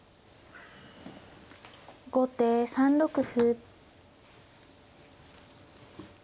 後手３六歩。